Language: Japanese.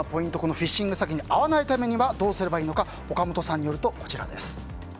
フィッシング詐欺に遭わないためどうすればいいのか岡本さんによると、こちらです。